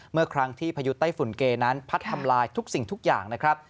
เมื่อครั้งที่พายุไต้ฝุ่นเกนั้นพัดทำลายทุกสิ่งทุกอย่างนะครับ